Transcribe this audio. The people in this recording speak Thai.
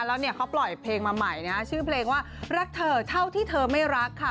แล้วเนี่ยเขาปล่อยเพลงมาใหม่นะชื่อเพลงว่ารักเธอเท่าที่เธอไม่รักค่ะ